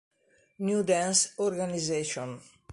New Dance Organization.